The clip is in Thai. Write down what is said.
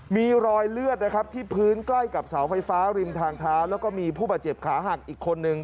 มีรอยเลือดนะครับที่พื้นใกล้กับเสาไฟฟ้าริมทางเท้าแล้วก็มีผู้บาดเจ็บขาหักอีกคนนึง